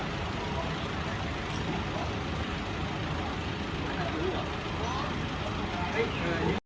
สวัสดีครับ